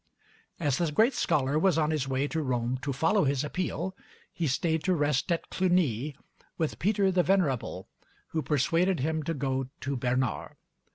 As the great scholar was on his way to Rome to follow his appeal, he stayed to rest at Cluny with Peter the Venerable, who persuaded him to go to Bernard.